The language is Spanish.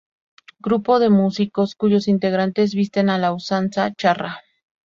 Grupo de músicos, cuyos integrantes visten a la usanza charra.